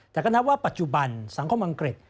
แต่ก็นับว่าปัจจุบันสังคมอังกฤษ